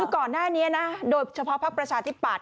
คือก่อนหน้านี้นะโดยเฉพาะพักประชาธิปัตย